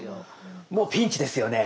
もうピンチですよね。